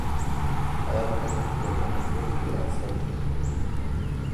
Alal məgar məkuleɗ adəverge avuhw age.